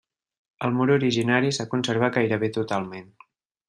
El mur originari s'ha conservat gairebé totalment.